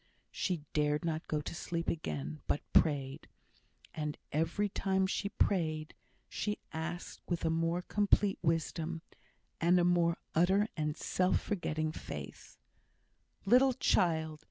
She dared not go to sleep again, but prayed. And every time she prayed, she asked with a more complete wisdom, and a more utter and self forgetting faith. Little child!